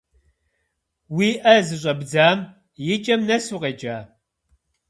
Уи ӏэ зыщӏэбдзам и кӏэм нэс укъеджа?